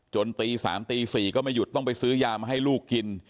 ตี๓ตี๔ก็ไม่หยุดต้องไปซื้อยามาให้ลูกกิน